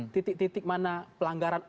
titik titik mana pelanggaran